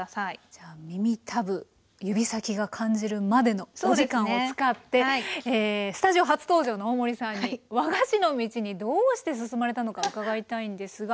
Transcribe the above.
じゃあ耳たぶ指先が感じるまでのお時間を使ってスタジオ初登場の大森さんに和菓子の道にどうして進まれたのか伺いたいんですが。